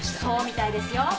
そうみたいですよ